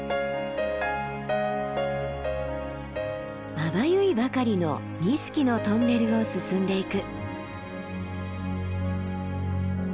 まばゆいばかりの錦のトンネルを進んでいく。